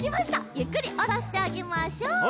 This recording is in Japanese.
ゆっくりおろしてあげましょう。